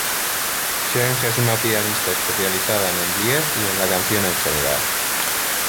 Cheng es una pianista especializada en el Lied y en la canción en general.